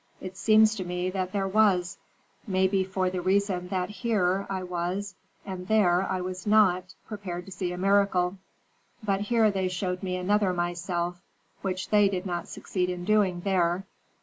It seems to me that there was, maybe for the reason that here I was, and there I was not, prepared to see a miracle. But here they showed me another myself, which they did not succeed in doing there.